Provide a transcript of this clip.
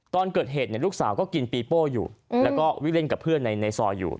ตอนเกิดเหตุลูกสาวก็กินปีโป้อยู่แล้วก็วิ่งเล่นกับเพื่อนในซอยอยู่